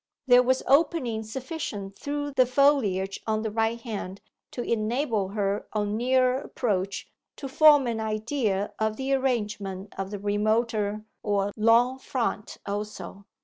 There was opening sufficient through the foliage on the right hand to enable her on nearer approach to form an idea of the arrangement of the remoter or lawn front also.